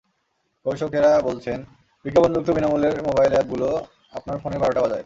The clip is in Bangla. গবেষকেরা বলছেন, বিজ্ঞাপনযুক্ত বিনা মূল্যের মোবাইল অ্যাপগুলো আপনার ফোনের বারোটা বাজায়।